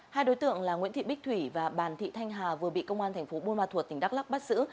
hai đối tượng là nguyễn thị bích thủy và bàn thị thanh hà vừa bị công an thành phố buôn ma thuột tỉnh đắk lắc bắt giữ